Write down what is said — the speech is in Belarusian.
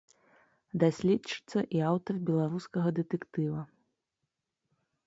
Даследчыца і аўтар беларускага дэтэктыва.